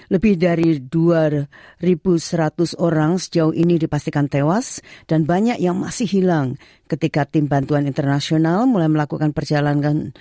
lebih dari dua seratus orang sejauh ini dipastikan tewas dan banyak yang masih hilang ketika tim bantuan internasional mulai melakukan perjalanan